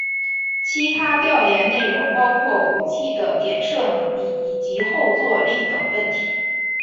其他调研内容包括武器的点射能力以及后座力等问题。